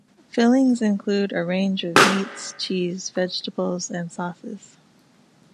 Fillings include a range of meats, cheese, vegetables and sauces.